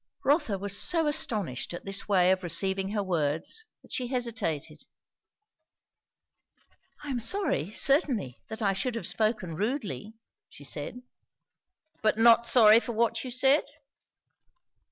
Rotha was so astonished at this way of receiving her words that she hesitated. "I am sorry, certainly, that I should have spoken rudely," she said. "But not sorry for what you said?"